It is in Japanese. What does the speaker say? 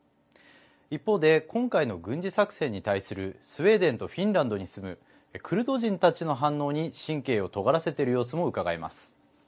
一方で今回の軍事作戦に対するスウェーデンとフィンランドに住むクルド人たちの反応に神経をとがらせている様子も伺えます。